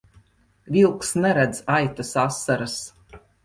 Vilks neredz aitas asaras.